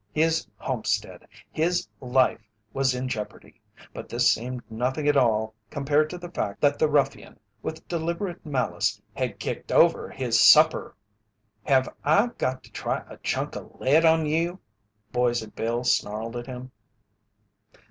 His homestead, his life, was in jeopardy, but this seemed nothing at all compared to the fact that the ruffian, with deliberate malice, had kicked over his supper! "Have I got to try a chunk o' lead on you?" Boise Bill snarled at him.